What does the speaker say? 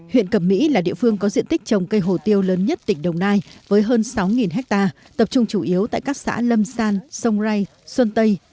huyện cẩm mỹ là địa phương có diện tích trồng cây hồ tiêu lớn nhất tỉnh đồng nai với hơn sáu ha tập trung chủ yếu tại các xã lâm san sông rai xuân tây